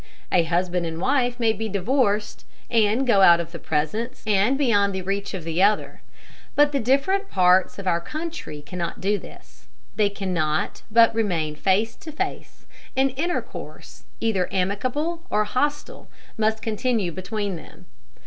A husband and wife may be divorced, and go out of the presence and beyond the reach of each other; but the different parts of our country cannot do this. They cannot but remain face to face, and intercourse, either amicable or hostile, must continue between them.